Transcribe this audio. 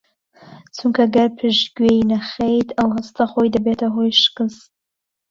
چونکە گەر پشتگوێی نەخەیت ئەو هەستە خۆی دەبێتە هۆی شکستت